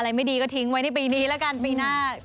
ไม่ดีก็ทิ้งไว้ในปีนี้แล้วกันปีหน้า